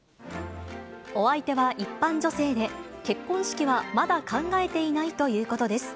お相手は一般女性で、結婚式はまだ考えていないということです。